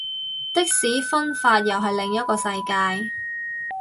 的士分法又係另一個世界